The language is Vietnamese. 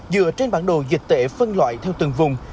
dựa trên bản đồ dịch tệ phân loại theo từng vùng